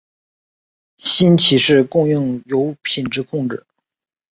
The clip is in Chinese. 新奇士供应有品质控制。